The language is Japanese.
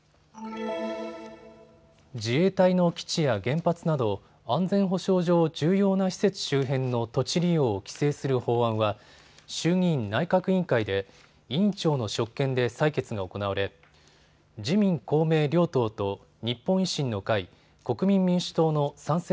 自衛隊の基地や原発など安全保障上、重要な施設周辺の土地利用を規制する法案は衆議院内閣委員会で委員長の職権で採決が行われ自民公明両党と日本維新の会、国民民主党の賛成